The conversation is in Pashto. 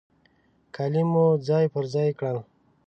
کالي مو ځای پر ځای کړل.